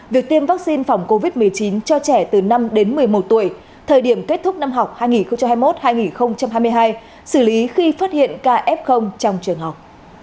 việc tiêm vaccine phòng covid một mươi chín cho trẻ từ năm đến một mươi một tuổi thời điểm kết thúc năm học hai nghìn hai mươi một hai nghìn hai mươi hai xử lý khi phát hiện ca f trong trường học